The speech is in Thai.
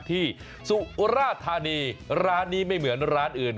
สุราธานีร้านนี้ไม่เหมือนร้านอื่น